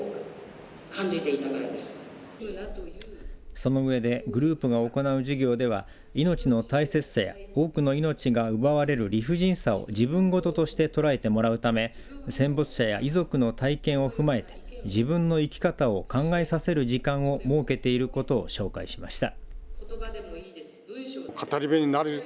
そのうえでグループが行う授業では命の大切さや多くの命が奪われる理不尽さを自分事として捉えてもらうため戦没者や遺族の体験を踏まえて自分の生き方を考えさせる時間を設けていることを紹介しました。